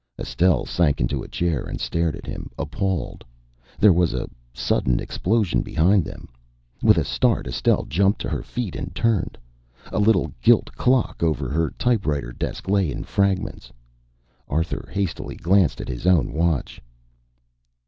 Estelle sank into a chair and stared at him, appalled. There was a sudden explosion behind them. With a start, Estelle jumped to her feet and turned. A little gilt clock over her typewriter desk lay in fragments. Arthur hastily glanced at his own watch.